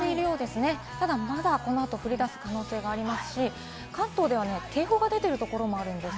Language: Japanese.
ただこの後、降り出す可能性がありますし、関東では警報が出ているところもあるんです。